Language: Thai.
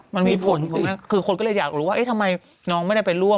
มันมีผลคือคนก็เลยอยากรู้ว่าทำไมน้องไม่ได้ไปร่วม